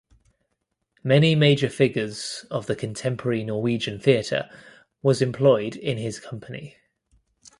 Many major figures of the contemporary Norwegian theatre was employed in his company.